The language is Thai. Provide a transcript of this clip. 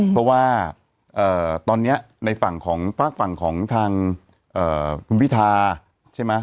เพราะว่าเอ่อตอนเนี้ยในฝั่งของฝั่งของทางเอ่อคุณพิธาใช่ไหม